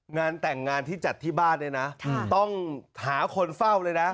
งานแต่งงานที่จัดที่บ้านเนี่ยนะต้องหาคนเฝ้าเลยนะ